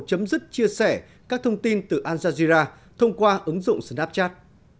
chấm dứt chia sẻ các thông tin từ al jazeera thông qua ứng dụng snapchat